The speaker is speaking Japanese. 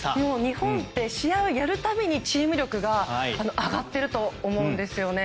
日本って試合をやるたびにチーム力が上がっていると思うんですよね。